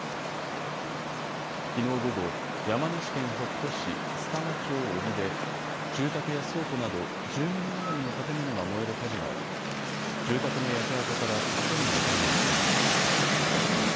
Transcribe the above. きのう午後、山梨県北杜市須玉町小尾で住宅や倉庫など１０棟余りの建物が燃える火事があり住宅の焼け跡から１人の遺体が見つかりました。